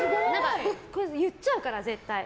言っちゃうから、絶対。